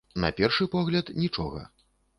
На першы погляд, нічога.